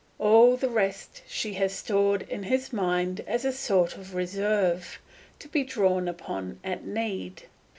All the rest she has stored in his mind as a sort of reserve, to be drawn upon at need.